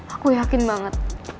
aku yakin banget